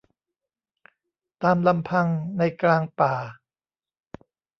ตามลำพังในกลางป่า